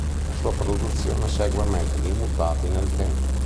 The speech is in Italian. La sua produzione segue metodi immutati nel tempo.